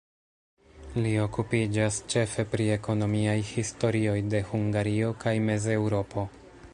Li okupiĝas ĉefe pri ekonomiaj historioj de Hungario kaj Mez-Eŭropo.